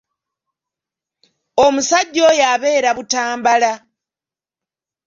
Omusajja oyo abeera Butambala.